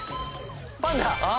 パンダ。